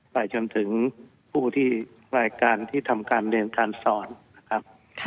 ไปจนถึงผู้ที่รายการที่ทำการเรียนการสอนนะครับ